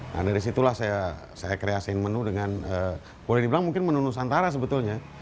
nah dari situlah saya kreasiin menu dengan boleh dibilang mungkin menu nusantara sebetulnya